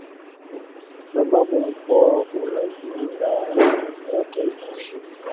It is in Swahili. Kwa sasa Mkoa una jumla ya Tarafa ishirini